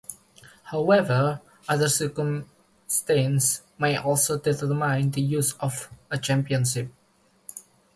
However, other circumstances may also determine the use of a championship.